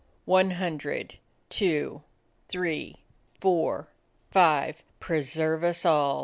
"One hundred, two, three, four, five. Pre serve us all!"